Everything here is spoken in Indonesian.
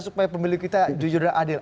supaya pemilu kita jujur dan adil